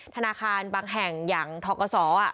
ธนาคารบางแห่งอย่างทกศ